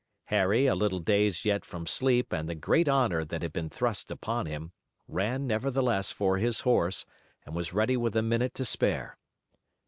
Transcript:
Harry, a little dazed yet from sleep and the great honor that had been thrust upon him, ran, nevertheless, for his horse, and was ready with a minute to spare.